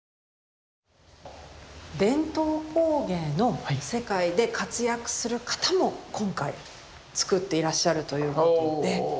伝統工芸の世界で活躍する方も今回作っていらっしゃるということで。